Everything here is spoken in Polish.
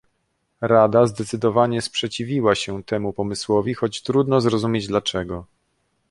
Rada zdecydowanie sprzeciwiła się temu pomysłowi, choć trudno zrozumieć dlaczego